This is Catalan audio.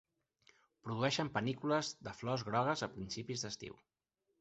Produeixen panícules de flors grogues a principis d'estiu.